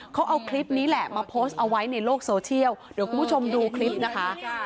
เขาเอาคลิปนี้แหละมาโพสต์เอาไว้ในโลกโซเชียลเดี๋ยวคุณผู้ชมดูคลิปนะคะ